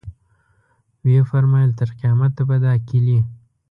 ویې فرمایل تر قیامته به دا کیلي.